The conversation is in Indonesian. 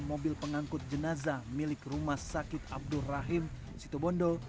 jadikan jazah milik rumah sakit abdur rahim sitobondo